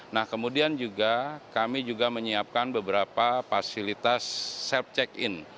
nah kemudian juga kami juga menyiapkan beberapa fasilitas self check in